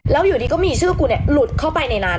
แล้วอยู่ดีก็มีชื่อกูหลุดเข้าไปในร้าน